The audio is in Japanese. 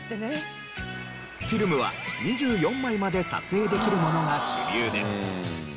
フィルムは２４枚まで撮影できるものが主流で。